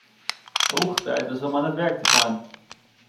Hoog tijd dus om aan het werk te gaan!